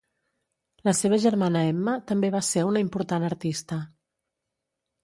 La seva germana Emma, també va ser una important artista.